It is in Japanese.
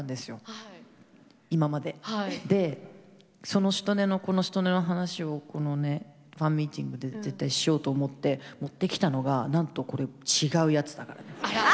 でそのしとねのこのしとねの話をこのねファンミーティングで絶対しようと思って持ってきたのがなんとこれ違うやつだからね。